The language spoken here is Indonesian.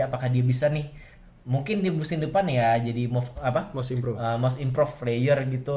apakah dia bisa nih mungkin di musim depan ya jadi most improve player gitu